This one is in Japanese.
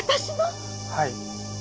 はい。